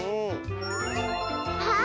あっ。